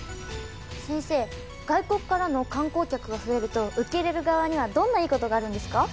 先生外国からの観光客が増えると受け入れる側にはどんないいことがあるんですか？